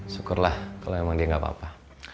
syukurlah kalo emang dia gak papa